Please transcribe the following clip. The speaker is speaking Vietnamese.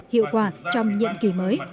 hiệu quả trong nhiệm kỳ mới